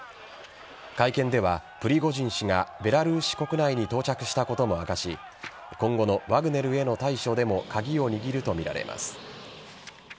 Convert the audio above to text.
会見では、プリゴジン氏がベラルーシ国内に到着したことも明かし今後のワグネルでの対処でも鍵を握るとみられます。